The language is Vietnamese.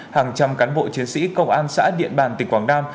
hàng trăm cán bộ chiến sĩ công an xã điện bàn tỉnh quảng nam